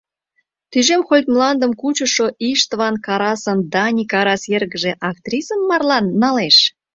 Тӱжем хольд мландым кучышо Иштван Карасын Дани Карас эргыже актрисым марлан налеш?